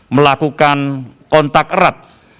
melakukan kontak erat